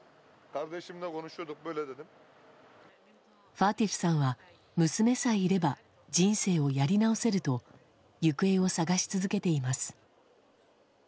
ファーティフさんは娘さえいれば人生をやり直せると行方を捜し続けています。